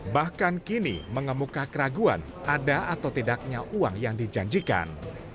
bahkan kini mengemuka keraguan ada atau tidaknya uang yang dijanjikan